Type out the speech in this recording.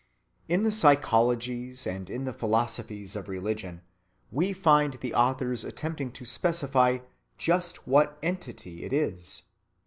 In the psychologies and in the philosophies of religion, we find the authors attempting to specify just what entity it is.